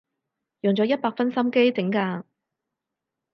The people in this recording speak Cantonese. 用咗一百分心機整㗎